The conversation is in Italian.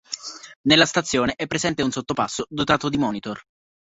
Nella stazione è presente un sottopasso dotato di monitor.